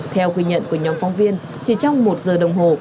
theo quy nhận của nhóm phóng viên chỉ trong một giờ đồng hồ